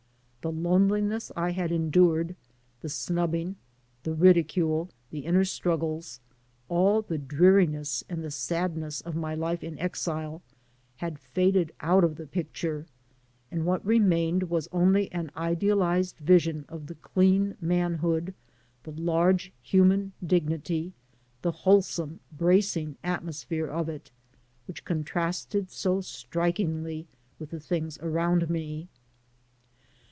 The loneliness I had endured, the snubbing, the ridicule, the inner struggles — all the dreariness and the sadness of my life in exile — ^had faded out of the picture, and what remained was only . an idealized vision of the dean manhood, the large himian dignity, the wholesome, bracing atmosphere of it, which contrasted so strikingly with the things around me.